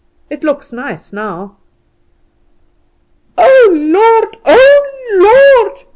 It looks nice now." "Oh, Lord! oh! Lord!"